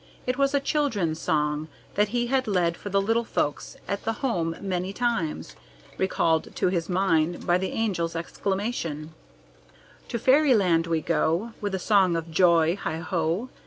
It was a children's song that he had led for the little folks at the Home many times, recalled to his mind by the Angel's exclamation: "To fairyland we go, With a song of joy, heigh o.